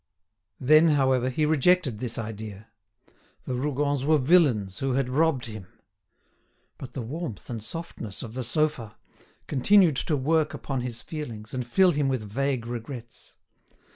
Then, however, he rejected this idea. The Rougons were villains who had robbed him. But the warmth and softness of the sofa, continued to work upon his feelings, and fill him with vague regrets.